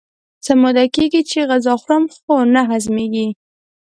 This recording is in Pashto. څه موده کېږي چې غذا خورم خو نه هضمېږي.